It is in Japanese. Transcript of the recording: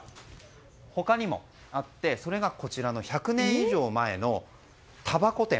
他にもあってそれがこちらの１００年以上前のたばこ店。